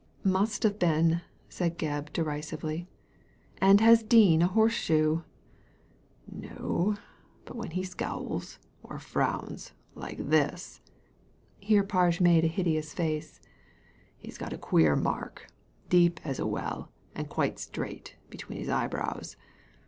Must have been," said Gebb, derisively. "And has Dean a horseshoe ?"" No. But when he scowls, or frowns, like this "— here Parge made a hideous face —he's got a queer mark, deep as a well and quite straight, between his eyebrows.